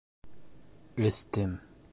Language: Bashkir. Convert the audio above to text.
Эстем.